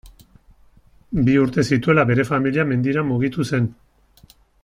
Bi urte zituela, bere familia mendira mugitu zen.